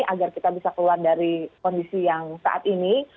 agar kita bisa keluar dari kondisi yang saat ini